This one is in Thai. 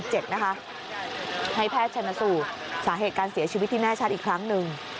ให้แพทย์ชนสูตรสาเหตุการเสียชีวิตที่แน่ชัดอีกครั้งหนึ่ง